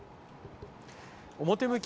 表向き